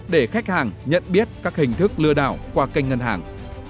để khách hàng nhận biết các hình thức lừa đảo qua kênh ngân hàng